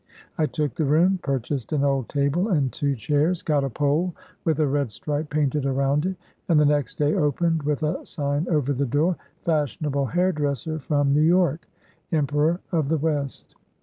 I took the room, purchased an old table and two chairs, got a pole with a red stripe painted around it, and the next clay opened, with a sign over the door, — c Fashionable Hair Dresser from New York — Empe ror of the West.'